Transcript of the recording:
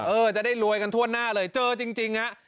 จะได้รวยกันทั่วหน้าเลยเจอจริงฮะ